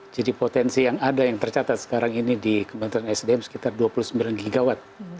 jadi potensi yang ada yang tercatat sekarang ini di kementerian sdm sekitar dua puluh sembilan gigawatt